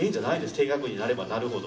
低学年になればなるほど。